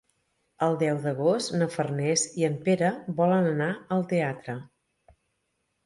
El deu d'agost na Farners i en Pere volen anar al teatre.